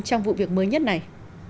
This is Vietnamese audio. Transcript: trong vụ việc mới nhất này